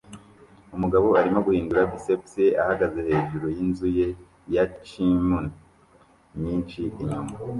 Umugabo arimo guhindagura biceps ye ahagaze hejuru yinzu hejuru ya chimney nyinshi inyuma